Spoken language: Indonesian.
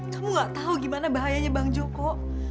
kamu gak tahu gimana bahayanya bang joko